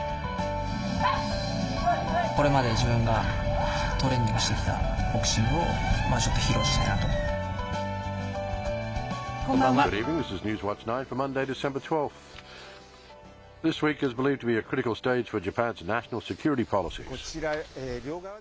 これまで自分がトレーニングしてきたボクシングをちょっと披こんばんは。